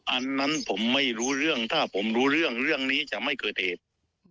อันนั้นผมไม่รู้เรื่องถ้าผมรู้เรื่องเรื่องนี้จะไม่เกิดเหตุ